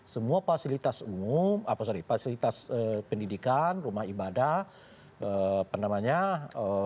semua fasilitas pendidikan rumah ibadah